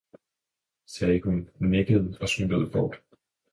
sagde hun, nikkede og smuttede bort.